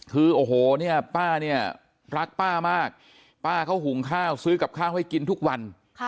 คือโอ้โหเนี่ยป้าเนี่ย